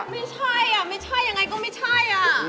ไม่ใช่ยังไงก็ไม่ใช่